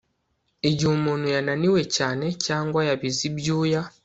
igihe umuntu yananiwe cyane cyangwa yabize ibyuya